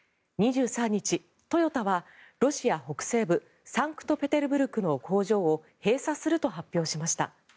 ２３日、トヨタはロシア北西部サンクトペテルブルクの工場を閉鎖すると発表しました。